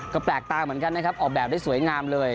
ก็แปลกตาเหมือนกันนะครับออกแบบได้สวยงามเลย